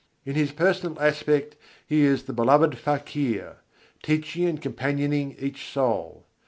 In His personal aspect He is the "beloved Fakir," teaching and companioning each soul.